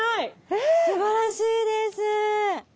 すばらしいです！